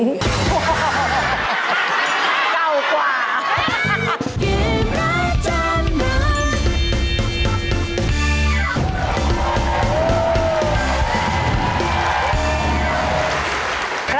เก่ากว่า